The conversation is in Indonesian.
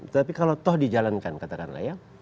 tapi kalau toh dijalankan katakanlah ya